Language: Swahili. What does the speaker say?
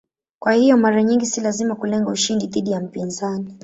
Kwa hiyo mara nyingi si lazima kulenga ushindi dhidi ya mpinzani.